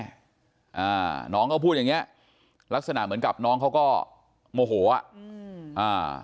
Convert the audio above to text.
อ่าน้องเขาพูดอย่างเงี้ยลักษณะเหมือนกับน้องเขาก็โมโหอ่ะอืมอ่า